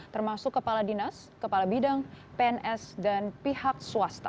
termasuk kepala dinas kepala bidang pns dan pihak swasta